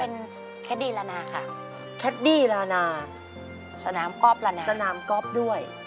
เป็นแคดดี้ละนาค่ะแคดดี้ลานาสนามก๊อฟละนาสนามก๊อฟด้วย